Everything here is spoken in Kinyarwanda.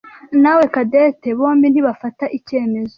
nawe Cadette bombi ntibafata icyemezo.